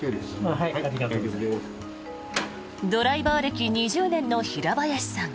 ドライバー歴２０年の平林さん。